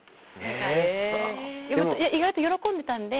意外と喜んでいたので。